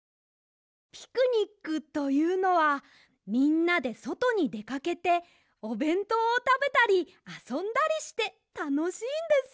ピクニックというのはみんなでそとにでかけておべんとうをたべたりあそんだりしてたのしいんですよ！